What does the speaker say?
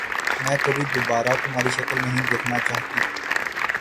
میں کبھی دوبارہ تمہاری شکل نہیں دیکھنا چاہتی۔